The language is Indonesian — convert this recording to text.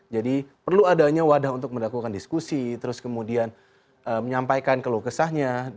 jadi perlu adanya wadah untuk melakukan diskusi terus kemudian menyampaikan keluh kesahnya